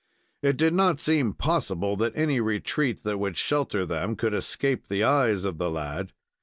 It did not seem possible that any retreat that would shelter them could escape the eyes of the lad.